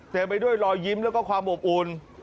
ไปด้วยรอยยิ้มแล้วก็ความอบอุ่น